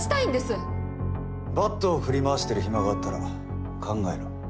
バットを振り回してる暇があったら考えろ。